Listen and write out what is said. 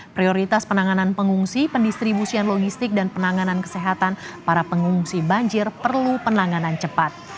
prioritas penanganan pengungsi pendistribusian logistik dan penanganan kesehatan para pengungsi banjir perlu penanganan cepat